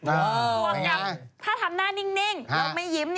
เออเป็นยังไงถ้าทำหน้านิ่งแล้วก็ไม่ยิ้ม